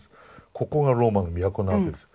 ここがローマの都なんです。